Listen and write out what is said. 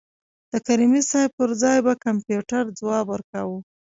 د کریمي صیب پر ځای به کمپیوټر ځواب ورکاوه.